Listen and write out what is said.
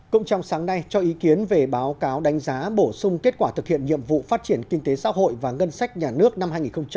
cũng trong sáng nay cho ý kiến về báo cáo đánh giá bổ sung kết quả thực hiện nhiệm vụ phát triển kinh tế xã hội và ngân sách nhà nước năm hai nghìn một mươi chín